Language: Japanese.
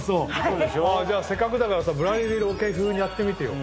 じゃあせっかくだからさ『ぶらり』ロケ風にやってみてよ。